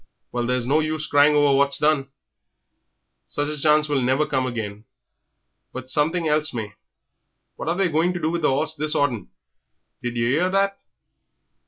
Well, there's no use crying over what's done sich a chance won't come again, but something else may. What are they going to do with the 'orse this autumn did yer 'ear that?"